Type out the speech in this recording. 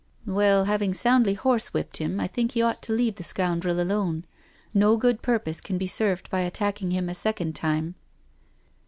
" Well, having soundly horse whipped him, I think he ought to leave the scoundrel alone—no good purpose can be served by attacking him a second time."